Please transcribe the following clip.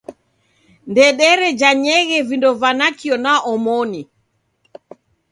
Ndederejanyeghe vindo va nakio na omoni.